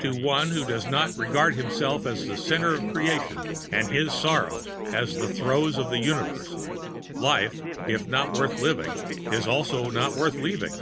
To one who does not regard himself as the center of creation and his sorrow as the throes of the universe, life, if not worth living, is also not worth leaving.